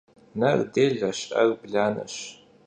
Ner dêleş, 'er blaneş.